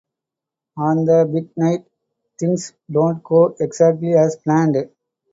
On the big night, things don't go exactly as planned.